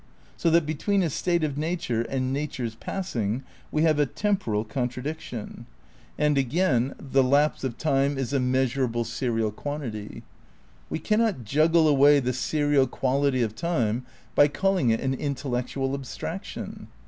So that between a state of nature and nature 's pass ing we have a temporal contradiction. And again, '' the ' The Concept of Nature, p. 65. 110 THE NEW IDEALISM m lapse of time is a measurable serial quantity. '' We can not juggle away the serial quality of time by calling it an intellectual abstraction.